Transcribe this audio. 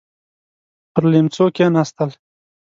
پر ليمڅو کېناستل.